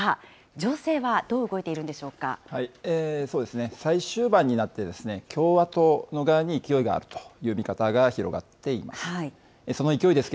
情勢はどう動いているんでしょう最終盤になって、共和党の側に勢いがあるという見方が広がっています。